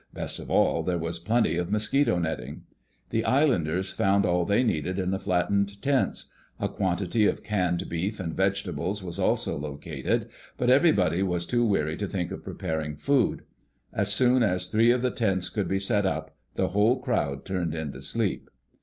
Best of all, there was plenty of mosquito netting. The islanders found all they needed in the flattened tents. A quantity of canned beef and vegetables was also located, but everyone was too weary to think of preparing food. As soon as three of the tents could be set up the whole crowd turned in to sleep.